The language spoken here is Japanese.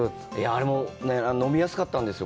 あれも飲みやすかったんですよ。